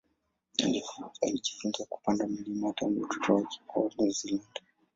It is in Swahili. Alijifunza kupanda milima tangu utoto wake kwao New Zealand.